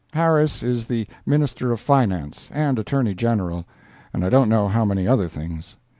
Harris is the Minister of Finance and Attorney General, and I don't know how many other things.